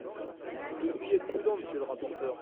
Vous devriez être prudent, monsieur le rapporteur.